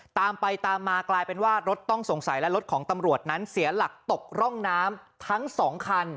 ตามไปตามมากลายเป็นว่ารถต้องสงสัยและรถของตำรวจนั้นเสียหลักตกร่องน้ำทั้งสองคัน